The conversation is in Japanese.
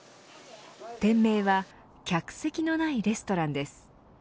店名は客席のないレストランです。